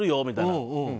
みたいな。